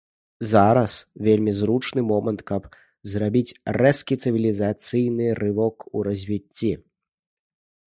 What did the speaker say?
Зараз вельмі зручны момант, каб зрабіць рэзкі цывілізацыйны рывок у развіцці.